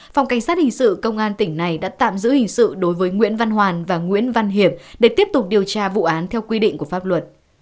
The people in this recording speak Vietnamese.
phòng cảnh sát hình sự công an tỉnh này đã tạm giữ hình sự đối với nguyễn văn hoàn và nguyễn văn hiệp để tiếp tục điều tra vụ án theo quy định của pháp luật